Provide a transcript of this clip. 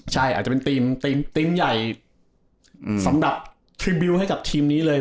ใช่อาจจะเป็นทีมใหญ่สำหรับพรีวิวให้กับทีมนี้เลย